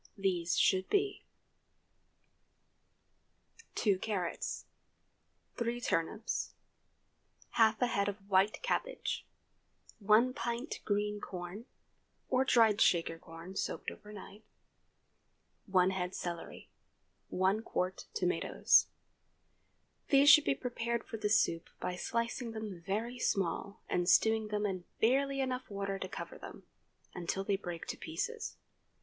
These should be:— 2 carrots. 3 turnips. Half a head of white cabbage. 1 pt. green corn—or dried Shaker corn, soaked over night. 1 head celery. 1 qt. tomatoes. These should be prepared for the soup by slicing them very small, and stewing them in barely enough water to cover them, until they break to pieces.